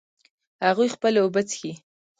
هغوی خپلې اوبه څښي